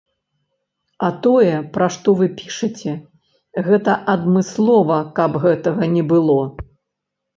А тое, пра што вы пішаце, гэта адмыслова каб гэтага не было.